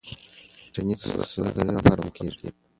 انټرنیټ د سوداګرۍ لپاره هم کارول کیږي.